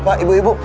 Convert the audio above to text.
bapak bapak ibu ibu